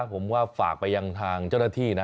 ผมว่าฝากไปยังทางเจ้าหน้าที่นะ